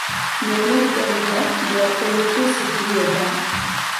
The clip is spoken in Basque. Noren aurpegiak beharko luke zigiluetan?